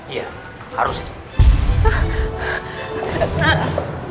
iya harus itu